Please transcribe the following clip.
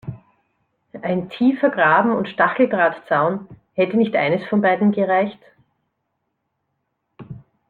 Ein tiefer Graben und Stacheldrahtzaun – hätte nicht eines von beidem gereicht?